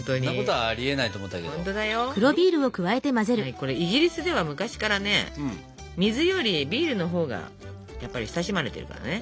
これイギリスでは昔からね水よりビールのほうがやっぱり親しまれてるからね。